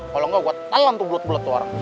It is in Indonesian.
kalo enggak gue talon tuh bulet bulet tuh orang